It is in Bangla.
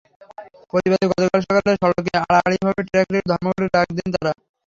প্রতিবাদে গতকাল সকালে সড়কে আড়াআড়িভাবে ট্রাক রেখে ধর্মঘটের ডাক দেন তাঁরা।